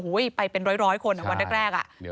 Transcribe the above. ไปเป็นร้อยคนวันแรก